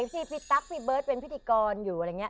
พี่ตั๊กพี่เบิร์ตเป็นพิธีกรอยู่